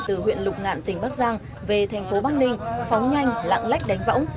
từ huyện lục ngạn tỉnh bắc giang về tp bắc ninh phóng nhanh lạng lách đánh võng